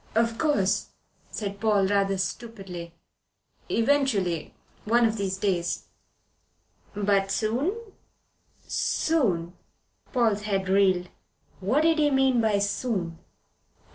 "Of course," said Paul, rather stupidly. "Eventually. One of these days." "But soon?" "Soon?" Paul's head reeled. What did he mean by soon?